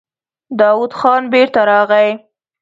داوود خان بېرته راغی.